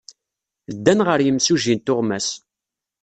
Ddan ɣer yimsujji n tuɣmas.